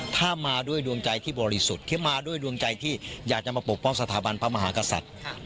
ถ้ามาด้วยดวงใจที่บริสุทธิ์ที่มาด้วยดวงใจที่อยากจะมาปกป้องสถาบันพระมหากษัตริย์